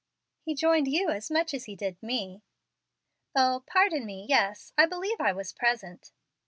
"He joined you as much as he did me." "O, pardon me; yes, I believe I was present."